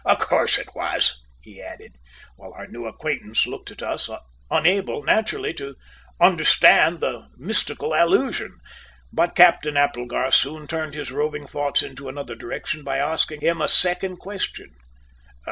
"Of course it was," he added, while our new acquaintance looked at us, unable, naturally, to understand the mystical allusion; but Captain Applegarth soon turned his roving thoughts into another direction by asking him a second question.